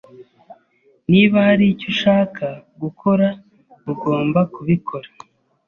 Niba hari icyo ushaka gukora, ugomba kubikora.